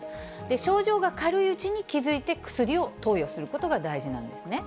症状が軽いうちに気付いて、薬を投与することが大事なんですね。